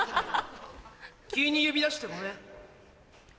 急に呼び出してごめん。